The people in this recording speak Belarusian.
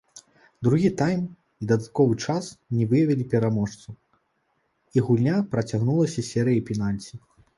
Другі тайм і дадатковы час не выявілі пераможцу, і гульня працягнулася серыяй пенальці.